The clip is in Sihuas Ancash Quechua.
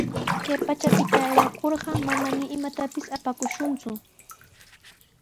Kay pachapita aywakurqa, manami imatapis apakushunku.